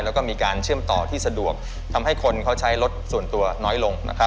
แล้วก็มีการเชื่อมต่อที่สะดวกทำให้คนเขาใช้รถส่วนตัวน้อยลง